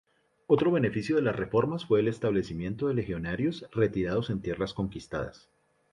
Otro beneficio de las reformas fue el establecimiento de legionarios retirados en tierras conquistadas.